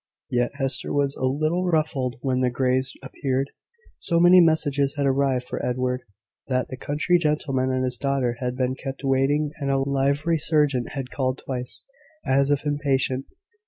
Yet Hester was a little ruffled when the Greys appeared. So many messages had arrived for Edward, that the country gentleman and his daughter had been kept waiting, and a livery servant had called twice, as if impatient.